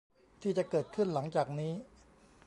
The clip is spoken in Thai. ที่จะเกิดขึ้นหลังจากนี้